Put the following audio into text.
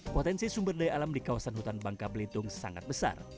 potensi sumber daya alam di kawasan hutan bangka belitung sangat besar